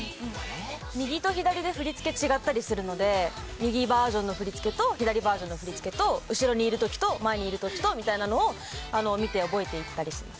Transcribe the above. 右バージョンの振り付けと左バージョンの振り付けと後ろにいる時と前にいる時とみたいなのを見て覚えて行ったりします。